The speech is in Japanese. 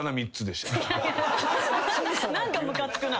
何かムカつくな。